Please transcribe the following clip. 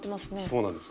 そうなんです。